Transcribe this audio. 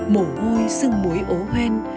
mổ hôi xưng muối ố hoen